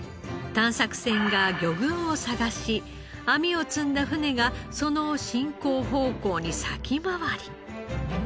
探索船が魚群を探し網を積んだ船がその進行方向に先回り。